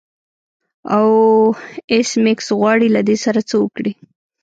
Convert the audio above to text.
او ایس میکس غواړي له دې سره څه وکړي